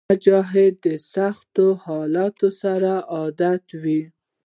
مجاهد د سختو حالاتو سره عادت وي.